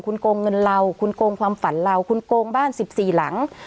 คุณโกงเงินเราคุณโกงความฝันเราคุณโกงบ้าน๑๔หลัง